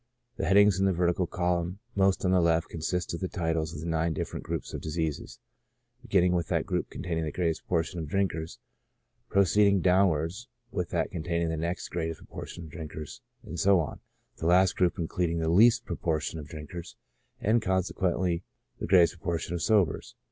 The headings in the vertical column most on the left consist of the titles of the nine different groups of diseases, beginning with that group containing the greatest portion of drinkers, proceeding downwards with that containing the next greatest proportion of drinkers, and so on, the last group including the least proportion of drinkers, and consequently the greatest proportion of sobers.